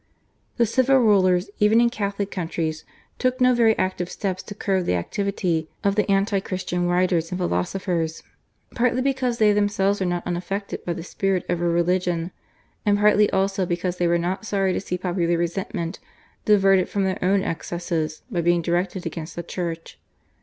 The civil rulers even in Catholic countries took no very active steps to curb the activity of the anti Christian writers and philosophers, partly because they themselves were not unaffected by the spirit of irreligion, and partly also because they were not sorry to see popular resentment diverted from their own excesses by being directed against the Church.